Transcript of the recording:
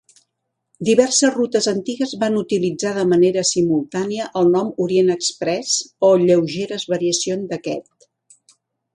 Diverses rutes antigues van utilitzar de manera simultània el nom Orient Express, o lleugeres variacions d'aquest.